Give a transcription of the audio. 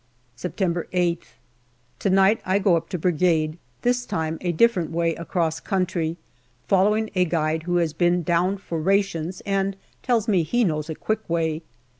September Sth. To night I go up to Brigade, this time a different way across country, following a guide who has been down for rations and tells me he knows a quick way.